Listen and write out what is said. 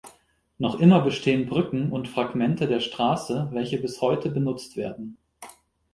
Noch immer bestehen Brücken, und Fragmente der Straße, welche bis heute benutzt werden.